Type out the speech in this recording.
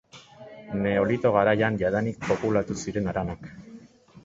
Neolito garaian jadanik populatu ziren haranak.